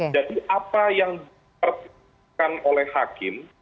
jadi apa yang diperhatikan oleh hakim